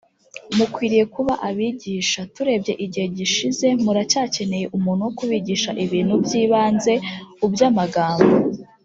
mukwiriye kuba abigisha t urebye igihe gishize muracyakeneye umuntu wo kubigisha ibintu by ibanze u by amagambo